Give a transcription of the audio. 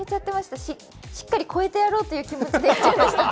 しっかり超えてやろうという気持ちでやっちゃいました。